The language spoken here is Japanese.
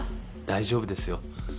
大丈夫ですよ。